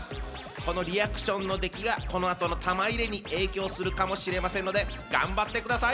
このリアクションの出来がこのあとの玉入れに影響するかもしれませんので頑張ってください。